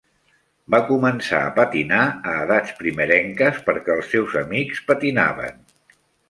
Va començar a patinar a edats primerenques perquè els seus amics patinaven.